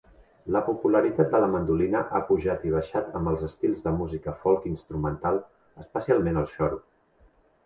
La popularitat de la mandolina ha pujat i baixat amb els estils de música folk instrumental, especialment el xoro.